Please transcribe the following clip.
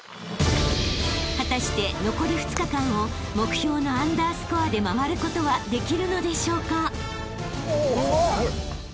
［果たして残り２日間を目標のアンダースコアで回ることはできるのでしょうか？］